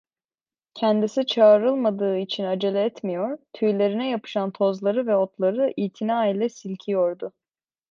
Kendisi çağırılmadığı için acele etmiyor, tüylerine yapışan tozları ve otları itina ile silkiyordu.